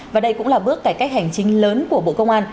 và đây cũng là bước cải cách hành chính lớn của bộ công an